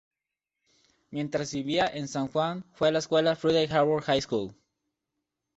Mientras vivía en San Juan fue a la escuela Friday Harbor High School.